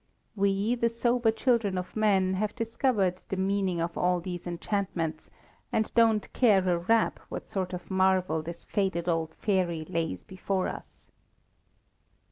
We, the sober children of men, have discovered the meaning of all these enchantments, and don't care a rap what sort of marvel this faded old fairy lays before us.